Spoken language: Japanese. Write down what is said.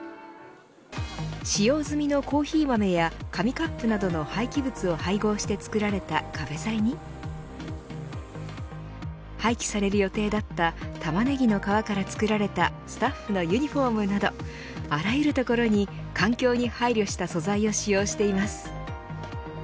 使用済みのコーヒー豆や紙カップなどの廃棄物を配合して作られた壁材に廃棄される予定だったタマネギの皮から作られたスタッフのユニホームなどあらゆるところに環境に配慮した素材を使用しています。